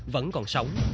vẫn còn sống